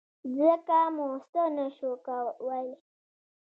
ځکه مو څه نه شول ویلای.